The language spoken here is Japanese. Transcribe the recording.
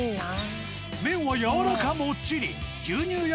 麺はやわらかもっちり「牛乳屋」